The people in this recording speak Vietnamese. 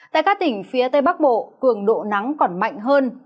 tại các tỉnh phía tây bắc bộ cường độ nắng còn mạnh hơn